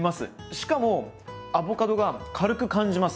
しかもアボカドが軽く感じます。